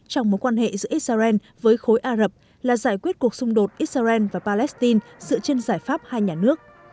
trong mối quan hệ giữa israel với khối ả rập là giải quyết cuộc xung đột israel và palestine dựa trên giải pháp hai nhà nước